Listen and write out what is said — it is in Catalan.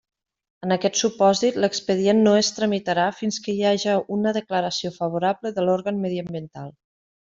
En aquest supòsit, l'expedient no es tramitarà fins que hi haja una declaració favorable de l'òrgan mediambiental.